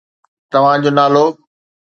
توهان جو نالو؟